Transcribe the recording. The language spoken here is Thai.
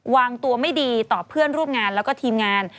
วางตัวไม่ดีต่อเพื่อนร่วมงานแล้วก็ทีมงาน